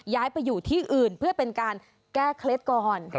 ย้ายไปอยู่ที่อื่นเพื่อเป็นการแก้เคล็ดก่อน